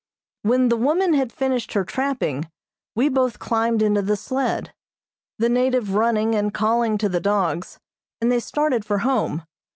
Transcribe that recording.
When the woman had finished her trapping, we both climbed into the sled, the native running and calling to the dogs, and they started for home.